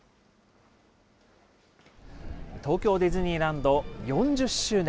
東京ディズニーランド４０周年。